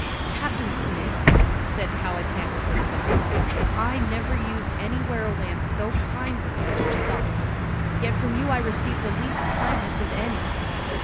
"Captain Smith," said Powhatan with a sigh, "I never used any werowance so kindly as yourself, yet from you I receive the least kindness of any.